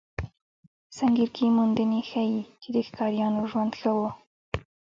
سنګیر کې موندنې ښيي، چې د ښکاریانو ژوند ښه و.